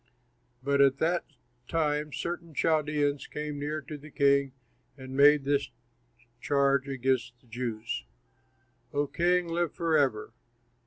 But at that time certain Chaldeans came near to the king and made this charge against the Jews: "O king, live forever!